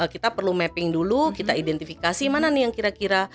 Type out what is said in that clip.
kita perlu mapping dulu kita identifikasi mana nih yang kira kira